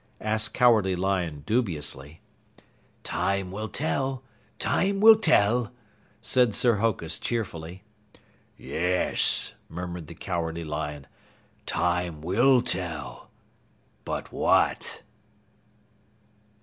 asked Cowardly Lion dubiously. "Time will tell, time will tell," said Sir Hokus cheerfully. "Yes," murmured the Cowardly Lion, "time will tell. But what?"